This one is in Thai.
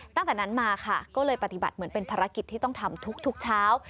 ตั้งแต่นั้นมาค่ะก็เลยปฏิบัติเหมือนเป็นภารกิจที่ต้องทำทุกเช้า